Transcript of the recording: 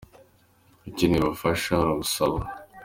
Ukeneye ubufasha arabusaba.